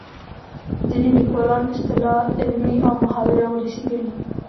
ځینې لیکوالان اصطلاح علمي او محاوره ولسي ګڼي